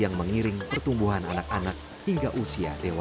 yang mengiring pertumbuhan anak anak hingga usia dewasa